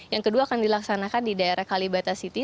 yang kedua akan dilaksanakan di daerah kalibata city